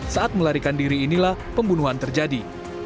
saat melarikan diri inilah pembunuhan terjadi